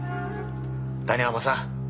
谷浜さん